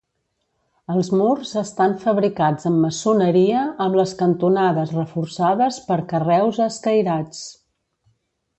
Els murs estan fabricats amb maçoneria amb les cantonades reforçades per carreus escairats.